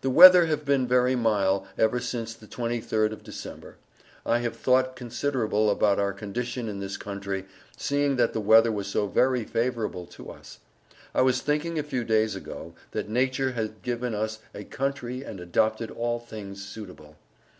The weather have been very mile Ever since the 23rd of Dec. I have thought considerable about our condition in this country Seeing that the weather was so very faverable to us. I was thinking a few days ago, that nature had giving us A country & adopted all things Sutable.